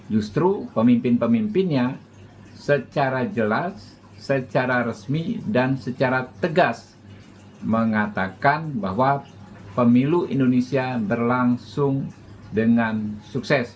justru pemimpin pemimpinnya secara jelas secara resmi dan secara tegas mengatakan bahwa pemilu indonesia berlangsung dengan sukses